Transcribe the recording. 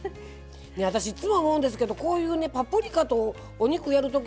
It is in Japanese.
私いつも思うんですけどパプリカとお肉やるとき